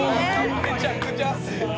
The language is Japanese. めちゃくちゃ。